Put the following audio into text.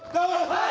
はい！